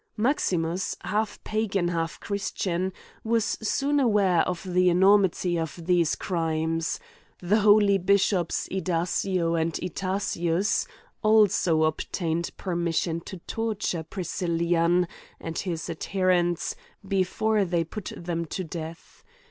Maximus, half pagan, halfchristian, was soon aware of the enormi ty of these crimes. The holy bishops, Idacio and Itacius, also obtained permission to torture Pris cSlian and his adherent s before they put them to death.